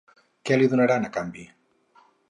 Què li donaran a canvi?